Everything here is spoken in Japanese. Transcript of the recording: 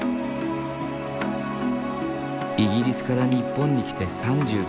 イギリスから日本に来て３９年。